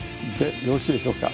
よろしいでしょうか？